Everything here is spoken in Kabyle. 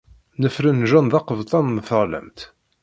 Nefren John d aqebṭan n teɣlamt.